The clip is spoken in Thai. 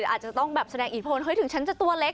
อาจจะต้องแบบแสดงอิทพลเฮ้ยถึงฉันจะตัวเล็ก